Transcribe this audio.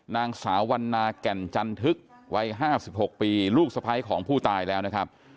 นางสาววันนาแก่นจันทึกวัย๕๖ปีลูกสะพ้ายของผู้ตายแล้วนะครับ